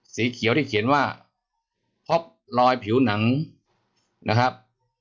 สีเขียวที่เขียนว่าพบรอยผิวหนังนะครับ